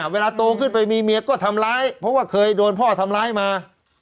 เวลาโตขึ้นไปมีเมียก็ทำร้ายเพราะว่าเคยโดนพ่อทำร้ายมา